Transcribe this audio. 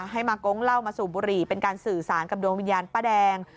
ให้มากงเล่ามาสูบบุหรี่เป็นการสื่อสารกับดวงวิญญาณป้าแดง